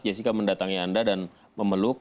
jessica mendatangi anda dan memeluk